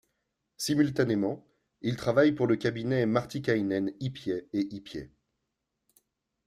Simultanément il travaille pour le cabinet Martikainen-Ypyä & Ypyä.